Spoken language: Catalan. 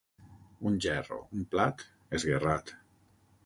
Un gerro, un plat, esguerrat.